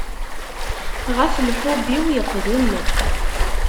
Ɣef lḥub-iw yeqdem.